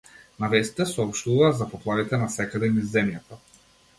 На вестите соопштуваа за поплавите насекаде низ земјата.